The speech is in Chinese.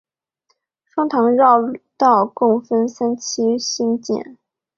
观塘绕道共分三期兴建。